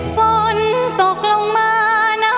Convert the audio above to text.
โปรดติดตามต่อไป